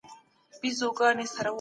پانګونه په کومو برخو کي بايد وسي؟